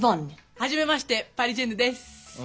初めましてパリジェンヌです。